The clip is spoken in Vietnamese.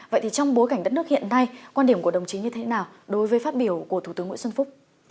vậy thì trong bối cảnh đất nước hiện nay quan điểm của đồng chí như thế nào đối với phát biểu của thủ tướng nguyễn xuân phúc